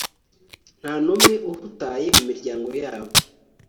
nta n'umwe uhutaye mu miryango yabo